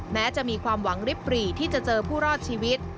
แม้จะมีความหวังริบปรีที่จะเจอผู้รอดชีวิต